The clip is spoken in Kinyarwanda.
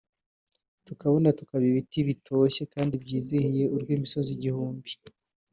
tukabona tukaba ibiti bitoshye kandi byizihiye urw’ imisozi igihumbi